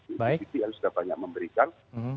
untuk pdp yang sudah banyak memberikan